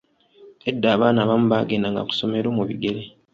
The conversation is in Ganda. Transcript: Edda abaana abamu baagendanga ku ssomero mu bigere